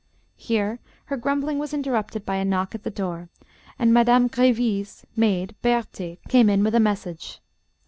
Here her grumbling was interrupted by a knock at the door, and Madame Gréville's maid, Berthé, came in with a message.